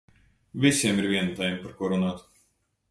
Visiem ir viena tēma par ko runāt.